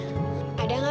aduh makasih andre